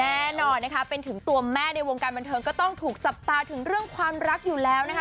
แน่นอนนะคะเป็นถึงตัวแม่ในวงการบันเทิงก็ต้องถูกจับตาถึงเรื่องความรักอยู่แล้วนะคะ